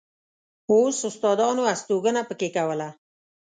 اوس استادانو استوګنه په کې کوله.